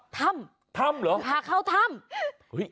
ถ้ำพาเข้าถ้ำฮึ้ย